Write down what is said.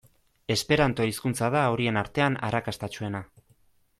Esperanto hizkuntza da horien artean arrakastatsuena.